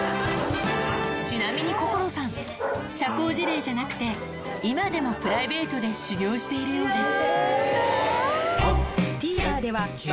ちなみに心さん、社交辞令じゃなくて、今でもプライベートで修業しているようです。